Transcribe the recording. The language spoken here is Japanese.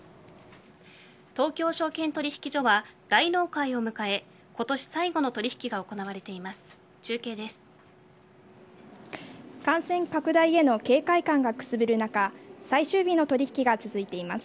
東京証券取引所は大納会を迎え今年最後の取引が行われています。